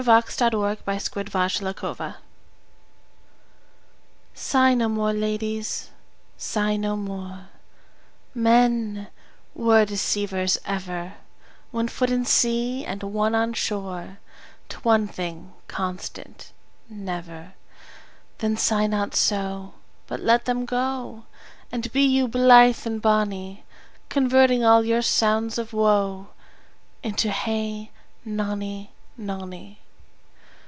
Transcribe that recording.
"Sigh No More, Ladies..." (From "Much Ado about Nothing") Sigh no more, ladies, sigh nor more; Men were deceivers ever; One foot in sea and one on shore, To one thing constant never; Then sigh not so, But let them go, And be you blithe and bonny; Converting all your sounds of woe Into. Hey nonny, nonny.